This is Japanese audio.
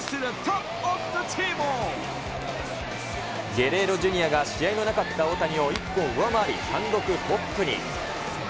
ゲレーロＪｒ．が試合のなかった大谷を１本上回り、単独トップに。